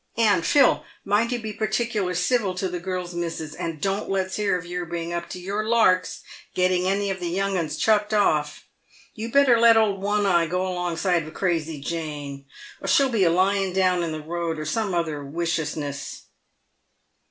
And, Phil, mind you be particular civil to the girls' missus, and don't let's hear of your being up to your larks, getting any of the young 'uns chucked off. You'd better let old One Eye go alongside of Crazy Jane, or she'll be a lying down in the road, or some other wicious ness."